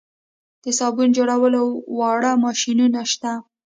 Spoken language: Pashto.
د صابون جوړولو واړه ماشینونه شته